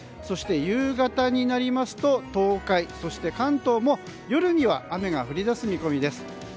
そして、夕方になりますと東海そして関東も夜には雨が降り出す見込みです。